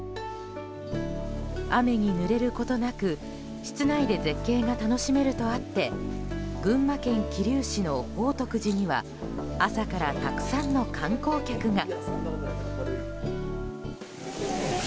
雨に濡れることなく室内で絶景が楽しめるとあって群馬県桐生市の宝徳寺には朝からたくさんの観光客が。